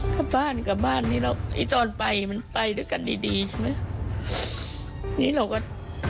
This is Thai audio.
กลับบ้านกลับบ้านนี่เรานี่ตอนไปมันไปด้วยกันดีใช่ไหมนี่เราก็